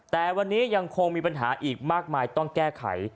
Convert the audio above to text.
แต่วันนี้ยังคงมีปัญหาอีกมากมายต้องแก้ไข